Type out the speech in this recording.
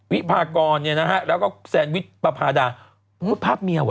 วิพากรเนี่ยนะฮะแล้วก็แซนวิชประพาดาพูดภาพเมียว่